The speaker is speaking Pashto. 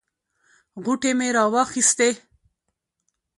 غوټې مې راواخیستې.